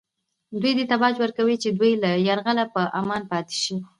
دوی دې ته باج ورکوي چې د دوی له یرغله په امان پاتې شي